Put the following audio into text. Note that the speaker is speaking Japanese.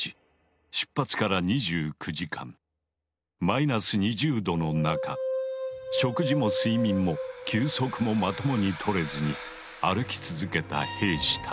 マイナス２０度の中食事も睡眠も休息もまともに取れずに歩き続けた兵士たち。